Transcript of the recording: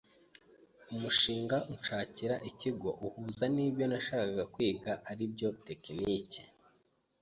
umushinga unshakira ikigo uhuza n’ibyo nashakaga kwiga ari byo technic.